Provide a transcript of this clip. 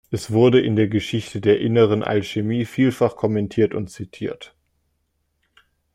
Es wurde in der Geschichte der inneren Alchemie vielfach kommentiert und zitiert.